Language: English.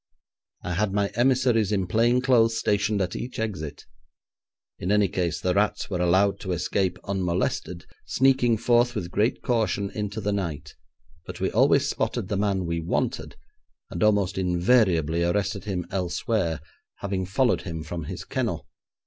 I had my emissaries in plain clothes stationed at each exit. In any case, the rats were allowed to escape unmolested, sneaking forth with great caution into the night, but we always spotted the man we wanted, and almost invariably arrested him elsewhere, having followed him from his kennel.